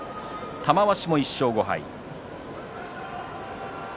玉鷲も１勝５敗。